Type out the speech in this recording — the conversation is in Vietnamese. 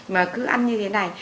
mà cứ ăn như thế này